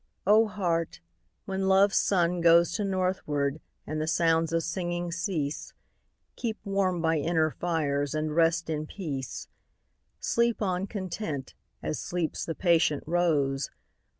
O Heart, when Love's sun goes To northward, and the sounds of singing cease, Keep warm by inner fires, and rest in peace. Sleep on content, as sleeps the patient rose.